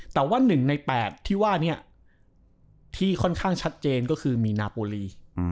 แต่ว่า๑ใน๘ที่ว่านี้ที่ค่อนข้างชัดเจนก็คือมีนาโปรลี